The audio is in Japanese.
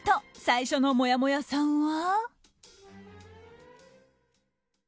最初のもやもやさんは。